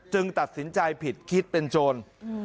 ตัดสินใจผิดคิดเป็นโจร